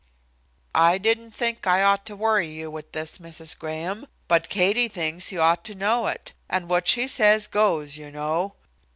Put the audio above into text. "I didn't think I ought to worry you with this, Mrs. Graham, but Katie thinks you ought to know it, and what she says goes, you know."